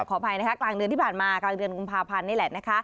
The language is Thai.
ขออภัยนะคะกลางเดือนที่ผ่านมากลางเดือนกุมภาพันธ์นี่แหละนะคะ